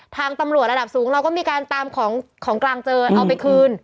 ทางตำรวจระดับสูงเราก็มีการตามของกลางเจอเอาไปคืน